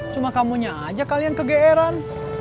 cuma kamu aja kali yang kegeeran